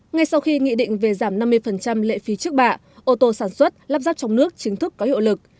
ngay sau khi nghị định về giảm năm mươi lệ phí trước bạ ô tô sản xuất lắp ráp trong nước chính thức có hiệu lực